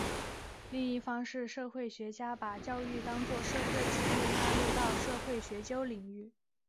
另一方是社会学家把教育当作社会制度纳入到社会学研究领域。